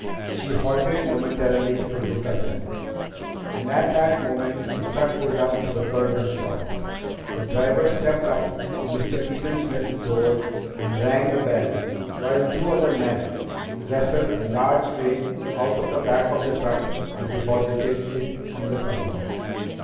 She halted momentarily to look at them, and at that moment a truck pulled up to the curb and stopped. The driver stepped up to Mr. Eaton Smith's door and rang the bell while two other men wrestled a large crate out of the back of the truck and deposited it on the sidewalk.